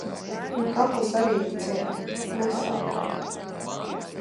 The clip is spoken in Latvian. Un kakls arī ir ciet - nesāp.